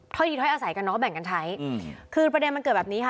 ดีถ้อยอาศัยกันเนอะแบ่งกันใช้อืมคือประเด็นมันเกิดแบบนี้ค่ะ